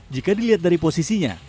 jika dilihat dari posisinya